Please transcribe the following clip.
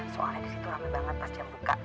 soalnya disitu rame banget pas jam buka